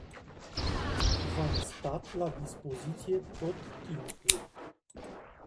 V-am stat la dispoziție tot timpul.